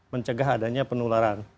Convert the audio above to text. mencegah adanya penularan